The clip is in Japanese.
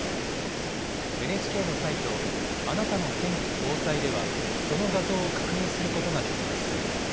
ＮＨＫのサイト、あなたの天気・防災ではその画像を確認することができます。